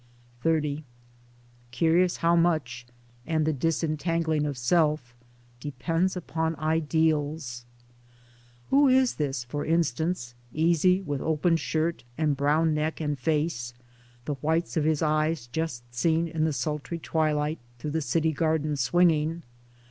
XXX Curious how much — and the disentangling of self — depends upon Ideals ! Who is this, for instance, easy with open shirt, and brown neck and face — the whites of his eyes just seen in the sultry twilight — through the city garden swinging